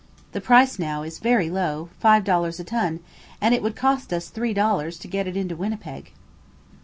The price now is very low; 5 dollars a ton, and it would cost us three dollars to get it into Winnipeg.